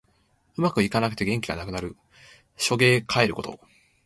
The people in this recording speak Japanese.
うまくいかなくて元気がなくなる。しょげかえること。